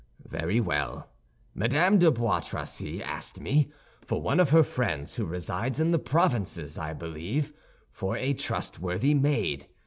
"Very well. Madame de Bois Tracy asked me, for one of her friends who resides in the provinces, I believe, for a trustworthy maid.